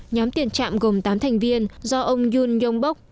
nhóm tiền trạm gồm tám thành viên do ông yoon yong bok